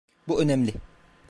Bu önemli.